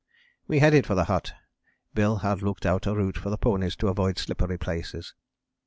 We headed for the hut: Bill had looked out a route for the ponies, to avoid slippery places.